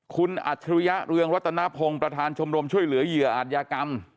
คุณอัจฉริยะเรืองรัตนพงศ์ประธานชมรมช่วยเหลือเหยื่ออาจยากรรม